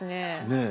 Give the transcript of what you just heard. ねえ。